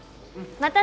また。